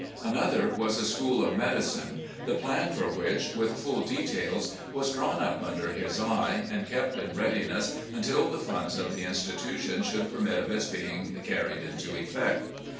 Another was a School of Medicine, the plan for which, with full details, was drawn up under his eye, and kept in readiness until the ftmds of the institution should permit of its being carried into effect.